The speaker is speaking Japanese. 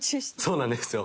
そうなんですよ。